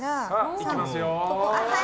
さあ、いきますよ。